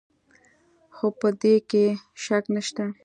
خو په دې کې شک نشته.